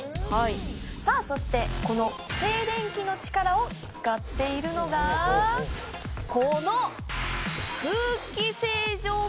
さぁそしてこの静電気の力を使っているのがこの。